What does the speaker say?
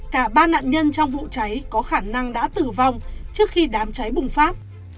cả ba nạn nhân trong vụ cháy có khả năng đã tử vong trước khi đám cháy bùng phát